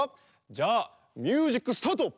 じゃあミュージックスタート！